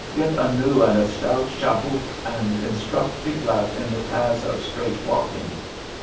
Get a new and a stout chabuq, and instruct Tiglath in the paths of straight walking.'